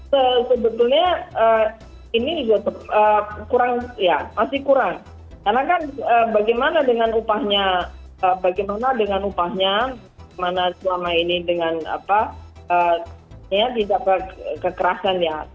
sebetulnya ini masih kurang karena kan bagaimana dengan upahnya selama ini dengan tidak kekerasan ya